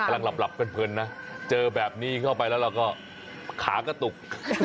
หลับเพลินนะเจอแบบนี้เข้าไปแล้วเราก็ขากระตุก